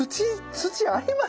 土あります？